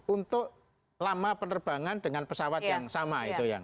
untuk lama penerbangan dengan pesawat yang sama